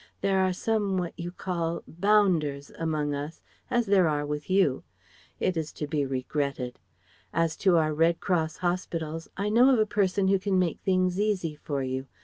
There are some what you call 'bounders' among us, as there are with you. It is to be regretted. As to our Red Cross hospitals, I know of a person who can make things easy for you.